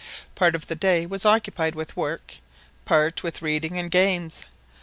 Part of the day was occupied with work, part with reading and games.